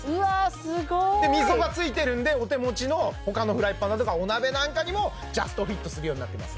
すごいで溝がついてるんでお手持ちの他のフライパンお鍋なんかにもジャストフィットするようになってます